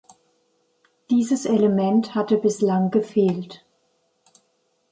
Dieses Element hatte bislang gefehlt.